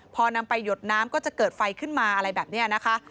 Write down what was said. พอนำไปหยดน้ำก็จะเกิดไฟขึ้นมาอะไรแบบนี้นะคะ